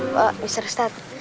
pak mr ustadz